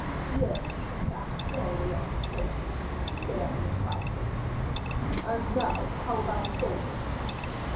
"Yes; in fact all along the coast," said Aramis, quietly. "And now, how about the soldiers?"